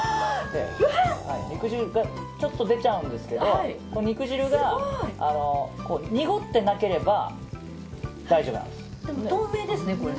肉汁がちょっと出ちゃうんですけどこの肉汁が濁ってなければ透明ですね、これ。